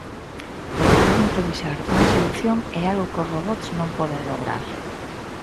O poder improvisar unha solución é algo que os robots non poden lograr.